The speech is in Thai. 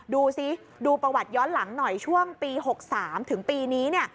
ดูสิดูประวัติย้อนหลังหน่อยช่วงปี๖๓ถึงปีนี้